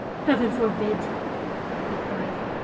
" Heaven forbid!" he cried.